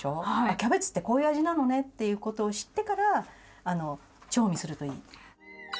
キャベツってこういう味なのねということを知ってから調味するといい。